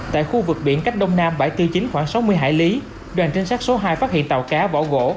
tại khu vực biển cách đông nam bãi tư chính khoảng sáu mươi hải lý đoàn trinh sát số hai phát hiện tàu cá bỏ gỗ